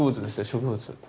植物。